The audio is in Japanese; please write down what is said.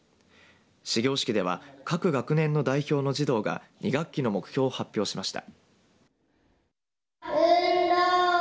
始業式では各学年の代表の児童が２学期の目標を発表しました。